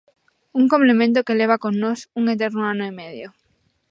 Un complemento que leva con nós un eterno ano e medio.